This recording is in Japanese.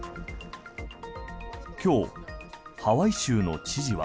今日、ハワイ州の知事は。